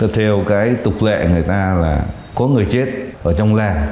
theo cái tục lệ người ta là có người chết ở trong làng